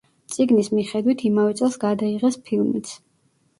წიგნის მიხედვით იმავე წელს გადაიღეს ფილმიც.